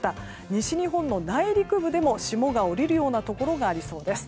西日本の内陸部でも霜が降りるようなところがありそうです。